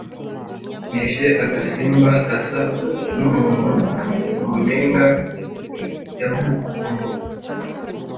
nishe agasimba gasa n’umuntu mu mpinga ya Rukukumbo